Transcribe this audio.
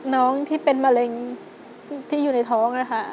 น้องที่เป็นมะเร็งที่อยู่ในท้องนะคะ